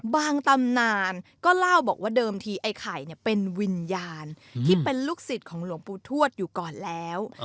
ตำนานก็เล่าบอกว่าเดิมทีไอ้ไข่เป็นวิญญาณที่เป็นลูกศิษย์ของหลวงปู่ทวดอยู่ก่อนแล้ว